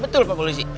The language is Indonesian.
betul pak polisi